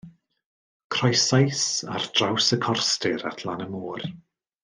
Croesais ar draws y corstir at lan y môr.